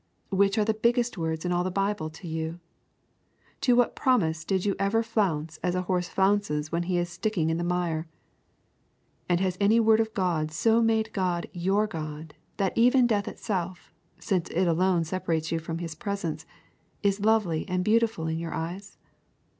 Which are the biggest words in all the Bible to you? To what promise did you ever flounce as a horse flounces when he is sticking in the mire? And has any word of God so made God your God that even death itself, since it alone separates you from His presence, is lovely and beautiful in your eyes?